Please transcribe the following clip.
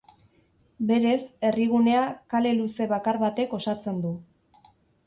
Berez, herrigunea kale luze bakar batek osatzen du.